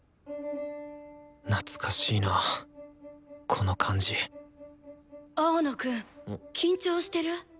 懐かしいなこの感じ青野くん緊張してる？